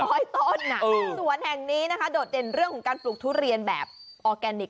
ตบต้นส่วนแห่งนี้โดดเด่นของการปลูกทุเรียนแบบออร์แกนิก